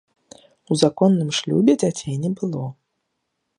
У законным шлюбе дзяцей не было.